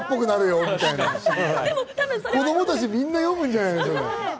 子どもたち、みんな読むんじゃないの？